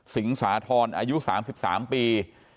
สิงสาธรณ์อายุ๓๓ปี